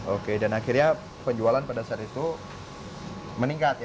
oke dan akhirnya penjualan pada saat itu meningkat ya